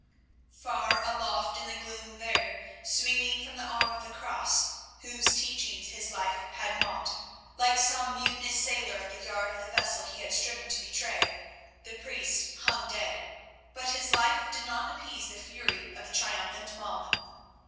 Far aloft in the gloom there, swinging from the arm of the Cross, whose teachings his life had mocked, like some mutinous sailor at the yard of the vessel he had striven to betray, the priest hung dead, but his life did not appease the fury of the triumphant mob.